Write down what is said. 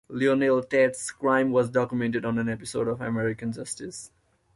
Lionel Tate's crime was documented on an episode of American Justice.